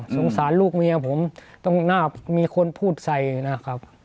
สงสารลูกเมียผมต้องน่ามีคนพูดใส่นะครับ